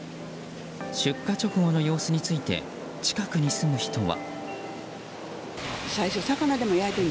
出火直後の様子について近くに住む人は。